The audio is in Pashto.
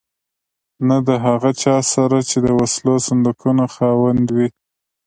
نه د هغه چا سره چې د وسلو صندوقونو خاوند وي.